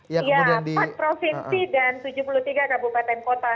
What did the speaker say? empat provinsi dan tujuh puluh tiga kabupaten kota